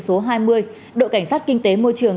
số hai mươi đội cảnh sát kinh tế môi trường